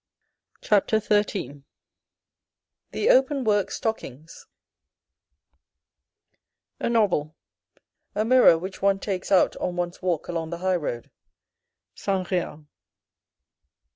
CHAPTER XIII THE OPEN WORK STOCKINGS A novel : a mirror which one takes out on one's walk along the high road. — Saint Real.